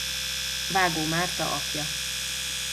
Vágó Márta apja.